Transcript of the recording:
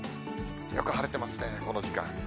よく晴れてますね、この時間。